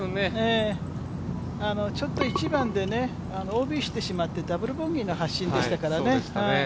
ちょっと１番でＯＢしてしまって、ダブルボギーの発進でしたからね。